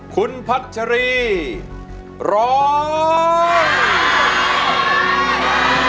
คุณพัชรีร้อง